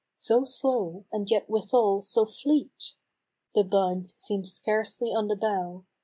So slow, and yet withal, so fleet ! The bud seem'd scarcely on the bough.